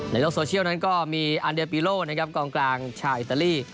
ในโลกโซเชียลนั้นก็มีอันเดียวปีโลนะครับกองกลางชาวอิตาลี